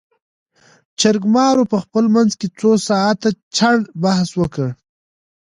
جرګمارو په خپل منځ کې څو ساعاته جړ بحث وکړ.